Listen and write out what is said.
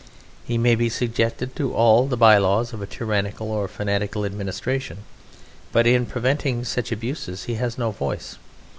He may be subjected to all the by laws of a tyrannical or fanatical administration, but in preventing such abuses he has no voice.